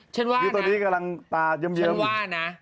ฉันว่านะ